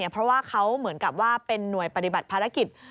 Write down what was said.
เพราะว่าเขาเหมือนกับว่าเป็นหน่วยปฏิบัติภารกิจ